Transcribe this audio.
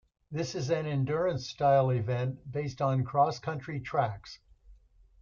This is an endurance style event based on cross country tracks.